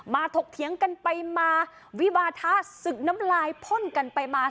ถกเถียงกันไปมาวิวาทะศึกน้ำลายพ่นกันไปมา